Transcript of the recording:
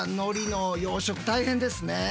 海苔の養殖大変ですね。